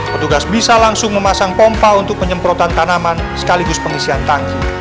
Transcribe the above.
petugas bisa langsung memasang pompa untuk penyemprotan tanaman sekaligus pengisian tangki